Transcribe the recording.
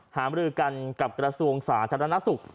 หาบริษัทกับกรสูงศาสตร์ธนสุข